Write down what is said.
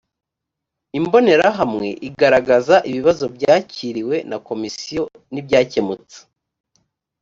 imbonerahamwe igaragaza ibibazo byakiriwe na komisiyo n ibyakemutse